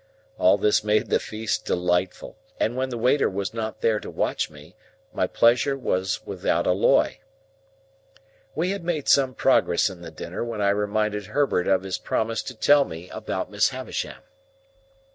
All this made the feast delightful, and when the waiter was not there to watch me, my pleasure was without alloy. We had made some progress in the dinner, when I reminded Herbert of his promise to tell me about Miss Havisham.